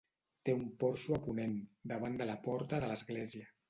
Té un porxo a ponent, davant de la porta de l'església.